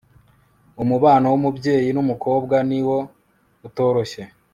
umubano w'umubyeyi n'umukobwa niwo utoroshye